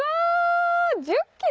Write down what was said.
１０ｋｇ。